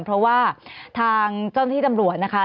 เพราะว่าทางเจ้าหน้าที่ตำรวจนะคะ